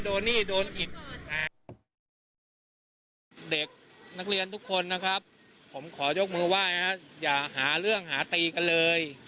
โดนอิดเด็กนักเรียนทุกคนนะครับผมขอยกมือไหว้อย่าหาเรื่องหาตีกันเลย